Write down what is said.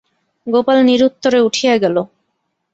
গোপাল নিরুত্তরে উঠিয়া গেল।